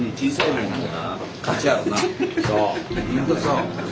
ほんとそう。